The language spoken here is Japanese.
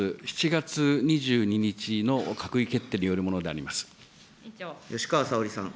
７月２２日の閣議決定によるものであり吉川沙織さん。